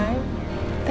kami mau ke luar